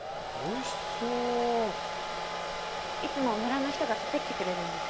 いつも村の人が採ってきてくれるんです。